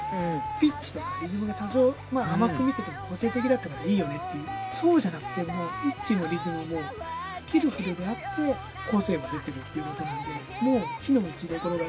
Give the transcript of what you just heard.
ピッチとかリズムが多少甘く見てても個性的だったからいいよねっていうそうじゃなくてもうピッチもリズムもスキルフルであって個性が出てるっていう事なんでもう。